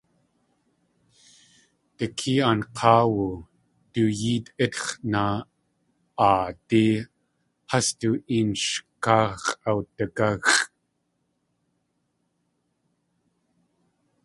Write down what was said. Dikée aank̲áawu du yéet ítx̲ na.aadí has du een sh káa x̲ʼawdigáxʼ.